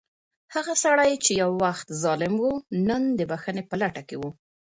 هغه سړی چې یو وخت ظالم و، نن د بښنې په لټه کې و.